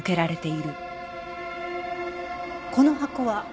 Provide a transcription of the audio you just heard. この箱は？